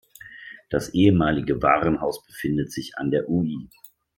Das ehemalige Warenhaus befindet sich an der Ul.